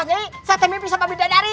kita tidak memimpin bidadari